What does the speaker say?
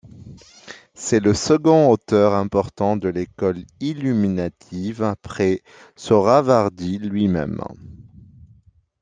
C'est le second auteur important de l'école illuminative après Sohrawardi lui-même.